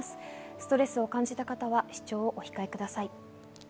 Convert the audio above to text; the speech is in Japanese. ストレスを感じた方は視聴をお控えください。